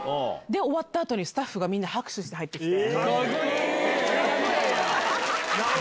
終わったあとに、スタッフがみんな拍手して入ってきて。